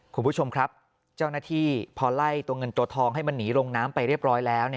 คุณผู้ชมครับเจ้าหน้าที่พอไล่ตัวเงินตัวทองให้มันหนีลงน้ำไปเรียบร้อยแล้ว